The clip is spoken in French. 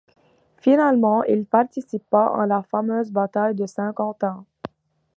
Finalement il participa en la fameuse bataille de Saint-Quentin.